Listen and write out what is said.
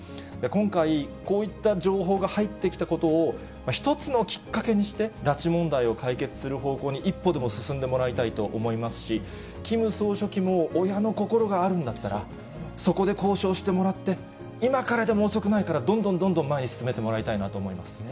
今回、こういった情報が入ってきたことを、一つのきっかけにして、拉致問題を解決する方向に一歩でも進んでもらいたいと思いますし、キム総書記も、親の心があるんだったら、そこで交渉してもらって、今からでも遅くないから、どんどんどんどん前に進めてもらいたいなと思いますね。